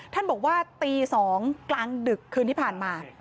ท่านบอกว่าตี๒กลางดึกคืนที่ผ่านมา